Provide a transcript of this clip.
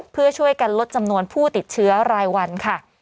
เพื่อช่วยกันลดจำนวนผู้ติดเชื้อรายวันค่ะ